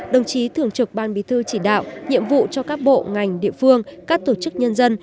đồng chí thường trực ban bí thư chỉ đạo nhiệm vụ cho các bộ ngành địa phương các tổ chức nhân dân